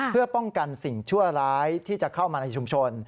เพื่อป้องกันสิ่งชั่วร้ายที่จะเข้ามาในชุมชน